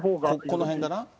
この辺かな。